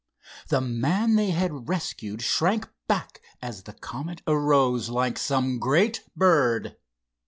The man they had rescued shrank back as the Comet arose like some great bird.